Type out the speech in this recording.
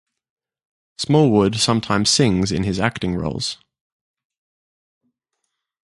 Smallwood sometimes sings in his acting roles.